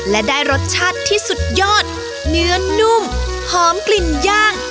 และได้รสชาติที่สุดยอดเนื้อนุ่มหอมกลิ่นย่าง